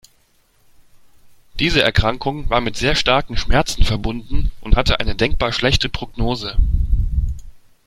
Diese Erkrankung war mit sehr starken Schmerzen verbunden und hatte eine denkbar schlechte Prognose.